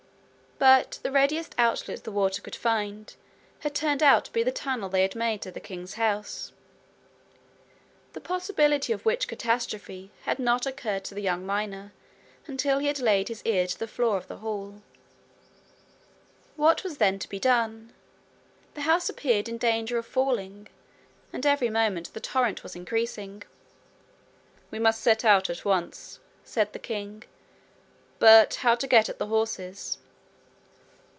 But the readiest outlet the water could find had turned out to be the tunnel they had made to the king's house, the possibility of which catastrophe had not occurred to the young miner until he had laid his ear to the floor of the hall. What was then to be done? The house appeared in danger of falling, and every moment the torrent was increasing. 'We must set out at once,' said the king. 'But how to get at the horses!'